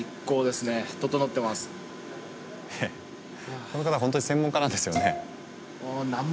えっこの方ホントに専門家なんですよね？